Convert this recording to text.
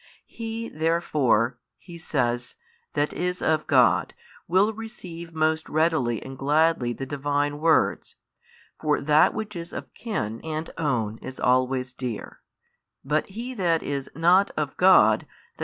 He therefore, He says, that is of God will receive most readily and gladly the Divine words (for that which is of kin and own is always dear) but he that is not of God, i.